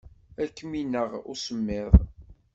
Ad kem-ineɣ usemmiḍ.